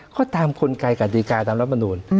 ก็ตามคนไกลกันดีการตามรัฐมนุม